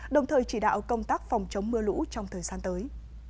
đồng thời chỉ đạo công tác phòng chống mưa lũ trong thời gian tới